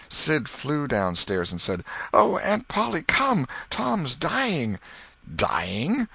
Sid flew downstairs and said: "Oh, Aunt Polly, come! Tom's dying!" "Dying!"